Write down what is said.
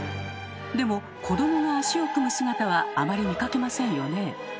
でも子どもが足を組む姿はあまり見かけませんよね。